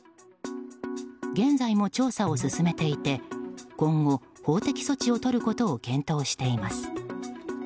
現在も調査を進めていて今後、法的措置をとることを検討しています。